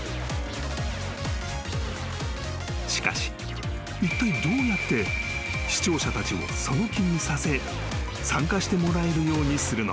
［しかしいったいどうやって視聴者たちをその気にさせ参加してもらえるようにするのか？］